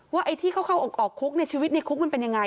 ว่าไอ้ที่เข้าออกคุกในชีวิตในคุกมันเป็นอย่างไร